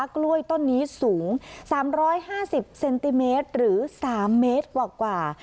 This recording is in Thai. กล้วยต้นนี้สูง๓๕๐เซนติเมตรหรือ๓เมตรกว่า